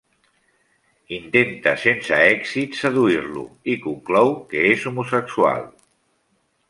Intenta sense èxit seduir-lo i conclou que és homosexual.